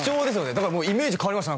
だからイメージ変わりました